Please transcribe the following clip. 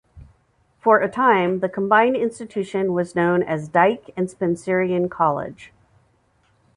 For a time the combined institution was known as Dyke and Spencerian College.